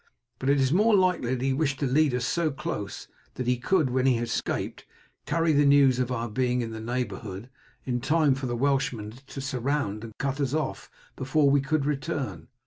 But it is more likely that he wished to lead us so close that he could, when he escaped, carry the news of our being in the neighbourhood, in time for the Welshmen to surround and cut us off before we could return.